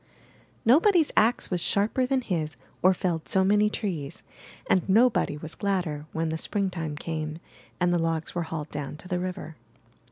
Nobody's ax was sharper than his or felled so many trees, and nobody was gladder when Spring time came and the logs were hauled down to the river.